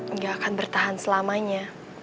nggak akan bertahan selamanya